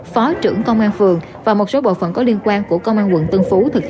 phó trưởng công an phường và một số bộ phận có liên quan của công an quận tân phú thực hiện